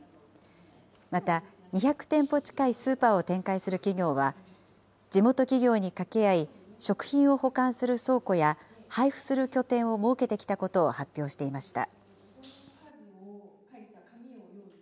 また、２００店舗近いスーパーを展開する企業は、地元企業に掛け合い、食品を保管する倉庫や配布する拠点を設けてきたことを発表していました。